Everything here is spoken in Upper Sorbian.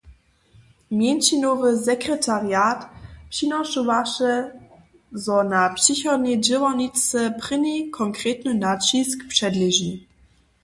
Mjeńšinowy sekretariat připowědźa, zo na přichodnej dźěłarničce prěni konkretny naćisk předleži.